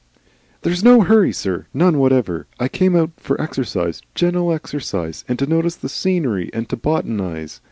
"There's no hurry, sir, none whatever. I came out for exercise, gentle exercise, and to notice the scenery and to botanise.